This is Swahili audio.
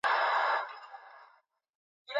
tangu mkuu wa jeshi Abdel Fattah al-Burhan kuongoza